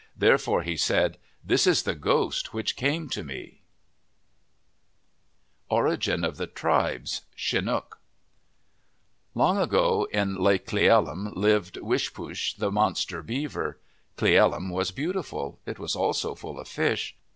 Therefore he said, " This is the ghost which came to me." 101 MYTHS AND LEGENDS ORIGIN OF THE TRIBES Chinook ENG ago, in Lake Cle el lum, lived Wish poosh, the monster beaver. Cle el lum was beautiful. It was also full of fish.